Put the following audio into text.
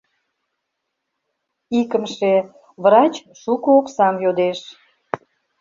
Икымше — врач шуко оксам йодеш.